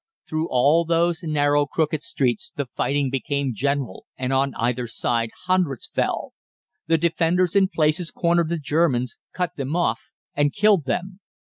Through all those narrow, crooked streets the fighting became general, and on either side hundreds fell. The Defenders in places cornered the Germans, cut them off, and killed them.